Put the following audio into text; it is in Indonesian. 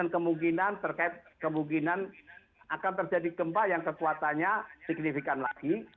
kemungkinan terkait kemungkinan akan terjadi gempa yang kekuatannya signifikan lagi